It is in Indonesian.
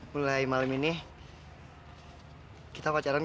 mulai malam ini kita pacaran